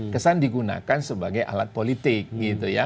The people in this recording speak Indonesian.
kesan digunakan sebagai alat politik